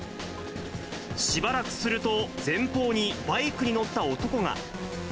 しばらくすると、前方にバイクに乗った男が。